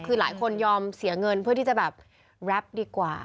คือหลายคนยอมเสียเงินเพื่อที่จะแบบแรปดีกว่า